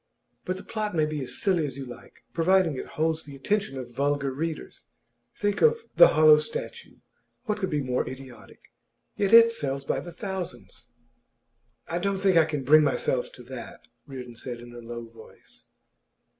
'But the plot may be as silly as you like, providing it holds the attention of vulgar readers. Think of "The Hollow Statue", what could be more idiotic? Yet it sells by thousands.' 'I don't think I can bring myself to that,' Reardon said, in a low voice.